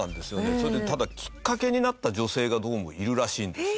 それでただきっかけになった女性がどうもいるらしいんですよ。